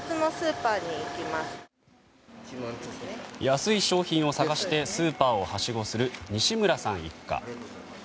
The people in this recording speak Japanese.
安い商品を探してスーパーをはしごする西村さん一家。